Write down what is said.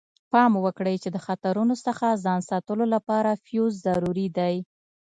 پام وکړئ چې د خطرونو څخه ځان ساتلو لپاره فیوز ضروري دی.